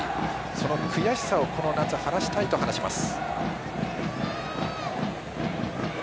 その悔しさをこの夏に晴らしたいと話します。